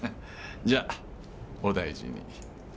じゃあお大事に。